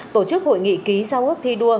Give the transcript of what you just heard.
tổ chức hội nghị ký giao hước thi đua